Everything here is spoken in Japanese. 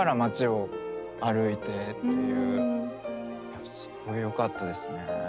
やっぱすごい良かったですね。